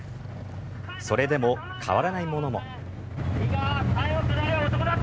それでも変わらないものも。